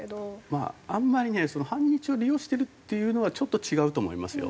まああんまりね反日を利用してるっていうのはちょっと違うと思いますよ。